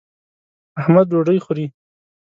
احمد ډوډۍ خوري.